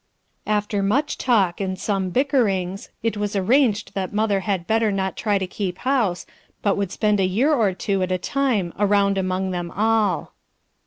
After much talk and some bickerings, it was arranged that mother had better not try to keep house, but would spend a year or two at a time around among them all.